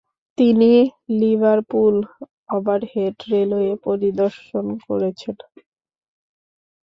তিনি Liverpool overhead railway পরিদর্শন করেছেন।